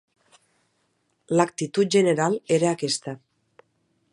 L'actitud general era aquesta